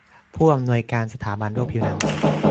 ผู้อำนวยการสถาบันโรคผิวหนัง